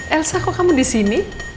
elsa kok kamu di sini